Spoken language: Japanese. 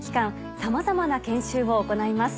さまざまな研修を行います。